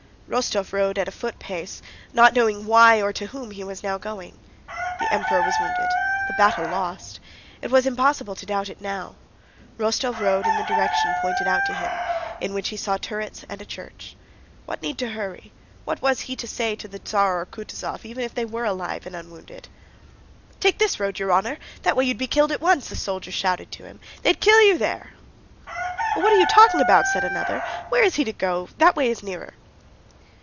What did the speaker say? Rostóv rode on at a footpace not knowing why or to whom he was now going. The Emperor was wounded, the battle lost. It was impossible to doubt it now. Rostóv rode in the direction pointed out to him, in which he saw turrets and a church. What need to hurry? What was he now to say to the Tsar or to Kutúzov, even if they were alive and unwounded? "Take this road, your honor, that way you will be killed at once!" a soldier shouted to him. "They'd kill you there!" "Oh, what are you talking about?" said another. "Where is he to go? That way is nearer."